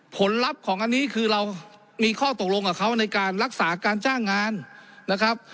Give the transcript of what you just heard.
ผลลัพธ์ของอันนี้คือเรามีข้อตกลงกับเขาในการรักษาการจ้างงานนะครับ